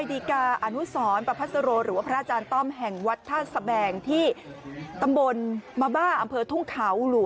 โดยพระบายดิกา